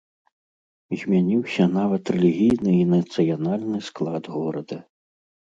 Змяніўся нават рэлігійны і нацыянальны склад горада.